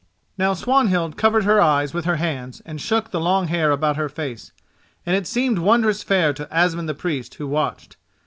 Now Swanhild covered her eyes with her hands and shook the long hair about her face, and she seemed wondrous fair to Asmund the Priest who watched.